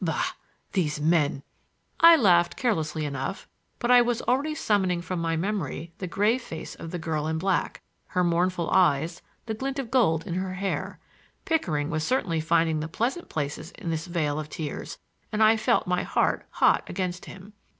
Bah! these men!" I laughed carelessly enough, but I was already summoning from my memory the grave face of the girl in black,—her mournful eyes, the glint of gold in her hair. Pickering was certainly finding the pleasant places in this vale of tears, and I felt my heart hot against him.